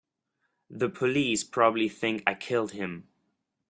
The police probably think I killed him.